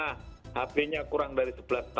hb nya kurang dari sebelas lima